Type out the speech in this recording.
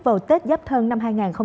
vào tết giáp thân năm hai nghìn bốn